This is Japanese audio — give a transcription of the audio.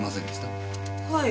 はい。